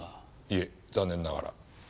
いえ残念ながら。